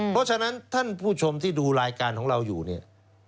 เพราะฉะนั้นท่านผู้ชมที่ดูรายการของเราอยู่เนี่ย